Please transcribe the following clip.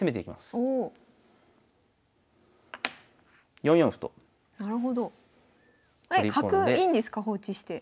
えっ角いいんですか放置して。